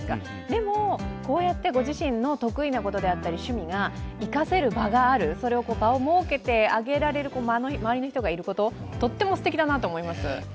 でも、こうやってご自身の得意なことであったり、趣味が生かせる場がある、場を設けてあげられる周りの人がいること、とってもすてきだなと思います。